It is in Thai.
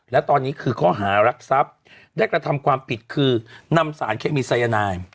และตอนนี้คือข้อหารักทรัพย์ได้กระทำความผิดคือนำสารเคมีสายนาย